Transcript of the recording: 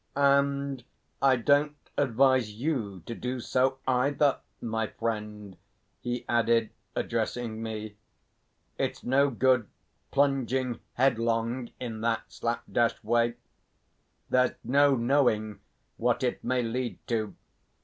"And I don't advise you to do so either, my friend," he added, addressing me. "It's no good plunging headlong in that slap dash way; there's no knowing what it may lead to.